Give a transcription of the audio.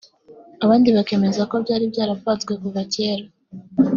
abandi bakemeza ko byari byarapanzwe kuva kera